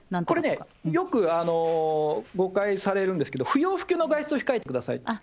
これね、よくね、誤解されるんですけれども、不要不急の外出を控えてください。